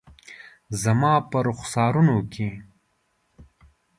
زما په رخسارونو کې